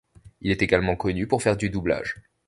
Il est également connu pour faire du doublage.